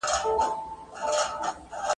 د قسمت پر تورو لارو د ډېوې په انتظار یم ..